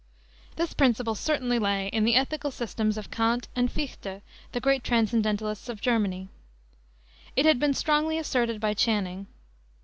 This principle certainly lay in the ethical systems of Kant and Fichte, the great transcendentalists of Germany. It had been strongly asserted by Channing.